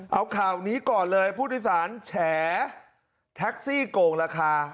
เอาข่าวนี้ก่อนเลยผู้โดยสารแฉแท็กซี่โกงราคา